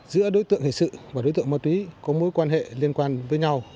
giữa đối tượng hình sự và đối tượng mơ túy có mối quan hệ liên quan với nhau